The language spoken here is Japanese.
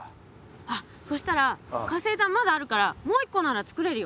あっそしたら活性炭まだあるからもう一個ならつくれるよ。